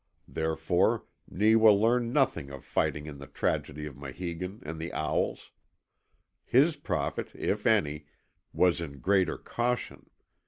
Therefore Neewa learned nothing of fighting in the tragedy of Maheegun and the owls. His profit, if any, was in a greater caution.